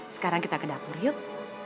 sekarang kita ke dapur yuk